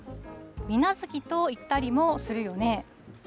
水無月といったりもするよね。